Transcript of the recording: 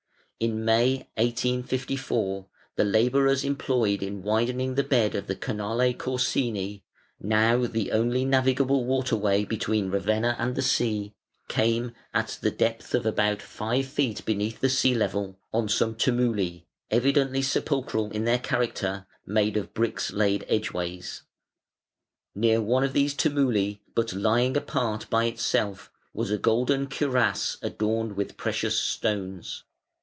In May, 1854, the labourers employed in widening the bed of the Canale Corsini (now the only navigable water way between Ravenna and the sea) came, at the depth of about five feet beneath the sea level, on some tumuli, evidently sepulchral in their character, made of bricks laid edgeways. Near one of these tumuli, but lying apart by itself, was a golden cuirass adorned with precious stones.